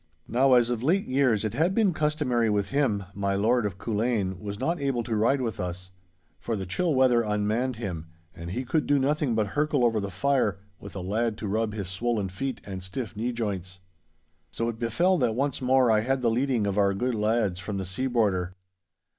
Now, as of late years it had been customary with him, my Lord of Culzean was not able to ride with us. For the chill weather unmanned him, and he could do nothing but hurkle over the fire, with a lad to rub his swollen feet and stiff knee joints. So it befell that once more I had the leading of our good lads from the sea border.